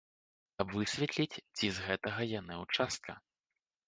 Каб высветліць, ці з гэтага яны ўчастка.